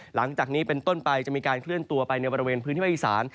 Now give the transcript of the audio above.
หลังจากนี้เป็นต้นไปจะมีการเคลื่อนตัวไปในบริเวณพื้นที่ภาคอีสาน